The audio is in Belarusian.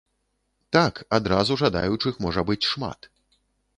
Так, адразу жадаючых можа быць шмат.